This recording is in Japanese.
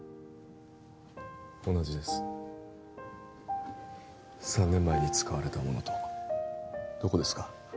同じです３年前に使われたものとどこですか？